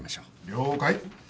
了解。